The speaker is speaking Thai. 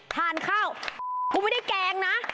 ทานข้าวคุณไม่ได้แกล้งนะ